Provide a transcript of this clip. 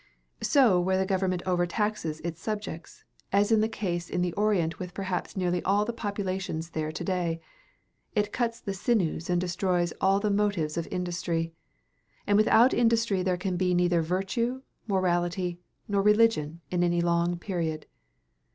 So where the government over taxes its subjects, as is the case in the Orient with perhaps nearly all of the populations there to day, it cuts the sinews and destroys all the motives of industry; and without industry there can be neither virtue, morality, nor religion in any long period.